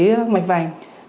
bệnh lý mạch vành